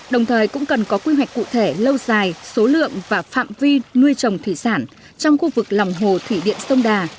đồng thời cũng cần có quy hoạch cụ thể lâu dài số lượng và phạm vi nuôi trồng thủy sản trong khu vực lòng hồ thủy điện sông đà